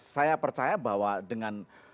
saya percaya bahwa dengan